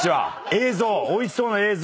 映像おいしそうな映像に。